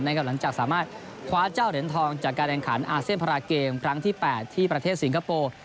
หลังจากสามารถคว้าเจ้าเหรียญทองจากการแข่งขันอาเซียนพาราเกมครั้งที่๘ที่ประเทศสิงคโปร์